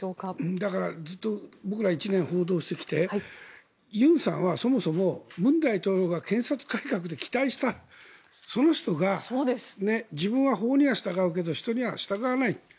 だからずっと僕ら１年報道してきてユンさんはそもそも文大統領が検察改革で期待したその人が自分は法には従うけど人には従わないと。